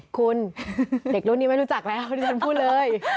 คุณเด็กรุ่นนี้ไม่รู้จักแล้วดิฉันพูดเลย